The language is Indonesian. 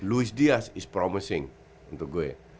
luis diaz is promising untuk gue